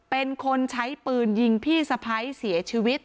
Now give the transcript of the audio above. เป็นคนใช้ปืนยิงพี่สะพ้ายเสียชีวิต